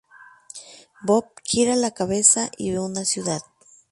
Bob gira la cabeza y ve una ciudad.